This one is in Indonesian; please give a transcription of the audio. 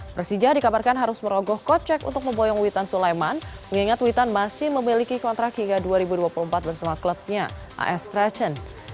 persija dikabarkan harus merogoh kocek untuk memboyong witan sulaiman mengingat witan masih memiliki kontrak hingga dua ribu dua puluh empat bersama klubnya as traction